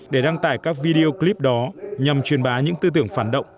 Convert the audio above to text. để đăng tải các video clip đó nhằm truyền bá những tư tưởng phản động